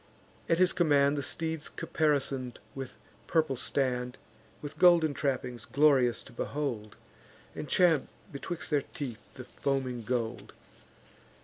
At his command The steeds caparison'd with purple stand, With golden trappings, glorious to behold, And champ betwixt their teeth the foaming gold.